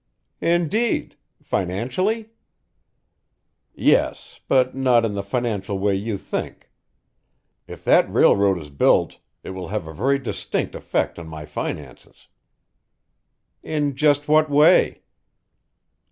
"Indeed! Financially?" "Yes, but not in the financial way you think. If that railroad is built, it will have a very distinct effect on my finances." "In just what way?"